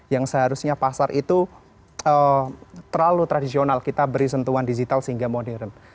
yang seharusnya pasar itu terlalu tradisional kita beri sentuhan digital sehingga modern